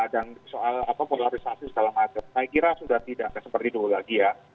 dan soal polarisasi segala macam saya kira sudah tidak seperti dulu lagi ya